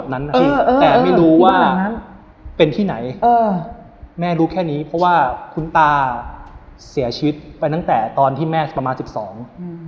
นั้นนะพี่แต่ไม่รู้ว่าเป็นที่ไหนเออแม่รู้แค่นี้เพราะว่าคุณตาเสียชีวิตไปตั้งแต่ตอนที่แม่ประมาณสิบสองอืม